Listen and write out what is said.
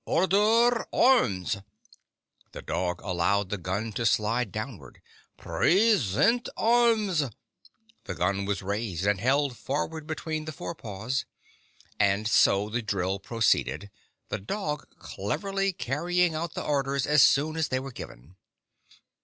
" Order arms !" The dog allowed the gun to slide downward. " Present arms !" The gun was raised and held forward between the forepaws. And so the drill proceeded, the dog cleverly carrying out the orders as soon as they were given.